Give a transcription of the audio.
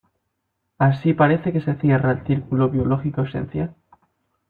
Así parece que se cierra el ciclo biológico esencial.